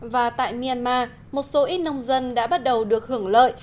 và tại myanmar một số ít nông dân đã bắt đầu được hưởng lợi